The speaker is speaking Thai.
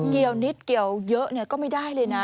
นิดเกี่ยวเยอะก็ไม่ได้เลยนะ